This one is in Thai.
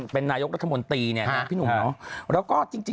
เป็นนายกรัฐมนตรีพี่หนุ่ม